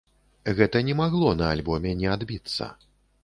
Гэта не магло на альбоме не адбіцца.